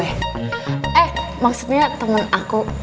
eh maksudnya teman aku